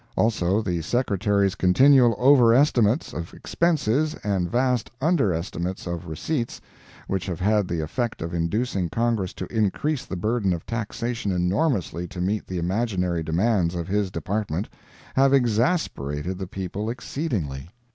Also the Secretary's continual over estimates of expenses and vast under estimates of receipts, which have had the effect of inducing Congress to increase the burden of taxation enormously to meet the imaginary demands of his Department, have exasperated the people exceedingly.